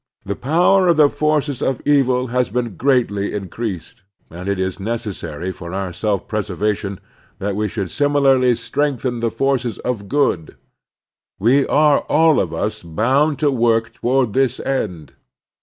The power of the forces of evil has Christian Citizenship 309 been greatly increased, and it is necessary for our self preservation that we should sinrilarly strengthen the forces for good. We are all of us bound to work toward this end.